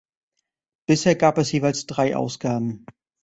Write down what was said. Bisher gab es jeweils drei Ausgaben.